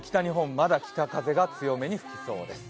まだ北風が強めに吹きそうです。